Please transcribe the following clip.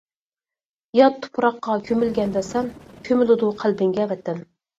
يات تۇپراققا كۆمۈلگەندە سەن كۆمۈلىدۇ قەلبىڭگە ۋەتەن.